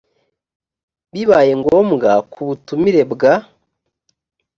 bibaye ngombwa ku butumire bwa